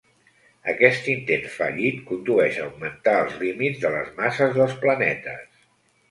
Aquest intent fallit condueix a augmentar els límits de les masses dels planetes.